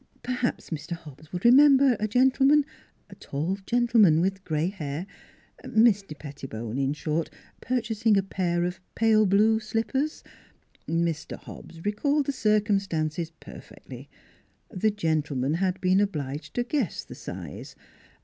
Per haps Mr. Hobbs would remember a gentleman a tall gentleman with gray hair; Mr. Pettibone, in short, purchasing a pair of pale blue slip pers Mr. Hobbs recalled the circumstances per fectly. The gentleman had been obliged to guess at the size.